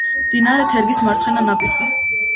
მდინარე თერგის მარცხენა ნაპირზე.